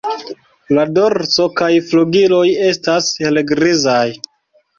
La dorso kaj flugiloj estas helgrizaj.